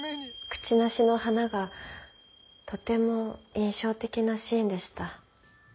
クチナシの花がとても印象的なシーンでした。